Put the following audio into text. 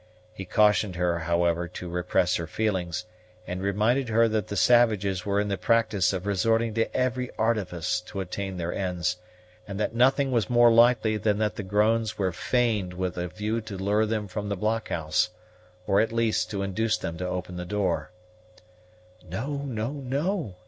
He cautioned her, however, to repress her feelings; and reminded her that the savages were in the practice of resorting to every artifice to attain their ends, and that nothing was more likely than that the groans were feigned with a view to lure them from the blockhouse, or, at least, to induce them to open the door. "No, no, no!"